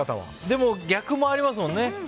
でも、逆もありますもんね。